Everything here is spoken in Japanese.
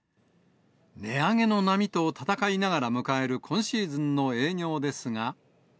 値上げの波と戦いながら迎える今シーズンの営業ですが。